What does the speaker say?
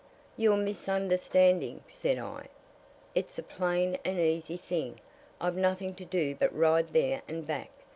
"You're misunderstanding," said I. "It's a plain and easy thing I've nothing to do but ride there and back.